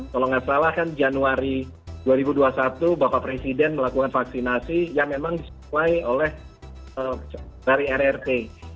kalau nggak salah kan januari dua ribu dua puluh satu bapak presiden melakukan vaksinasi yang memang disuplai oleh dari rrt